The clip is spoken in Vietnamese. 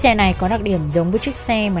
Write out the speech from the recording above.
xe này có đặc điểm giống với chiếc xe mà